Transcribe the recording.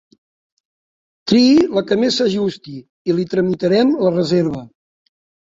Triï la que més s'ajusti i li tramitarem la reserva.